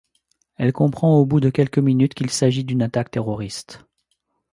Elle comprend au bout de quelques minutes qu’il s’agit d’une attaque terroriste.